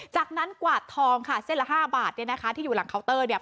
จากนั้นกวาดทองค่ะเส้นละ๕บาทเนี่ยนะคะที่อยู่หลังเคาน์เตอร์เนี่ย